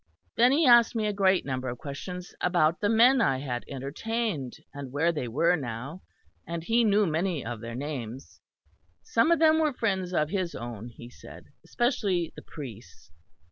Then he asked me a great number of questions about the men I had entertained, and where they were now; and he knew many of their names. Some of them were friends of his own, he said; especially the priests.